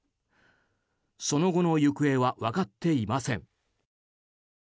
その後の行方は分かっていません。